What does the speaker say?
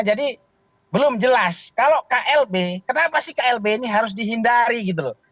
jadi belum jelas kalau klb kenapa sih klb ini harus dihindari gitu loh